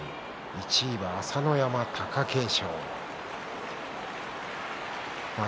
１位は朝乃山、貴景勝でした。